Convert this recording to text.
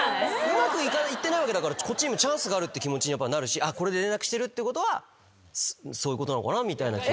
うまくいってないからこっちにもチャンスがあるって気持ちになるしこれで連絡してるってことはそういうことなのかなみたいな。